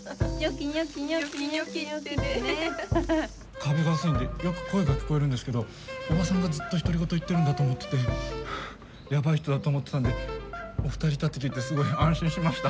壁が薄いんでよく声が聞こえるんですけどおばさんがずっと独り言言ってるんだと思っててヤバい人だと思ってたんでお二人いたって聞いてすごい安心しました。